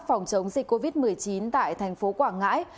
phòng chống dịch covid một mươi chín tại thành phố quảng ngãi